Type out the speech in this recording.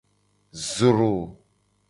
Zro.